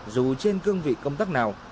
dù trên cương vị công tác nào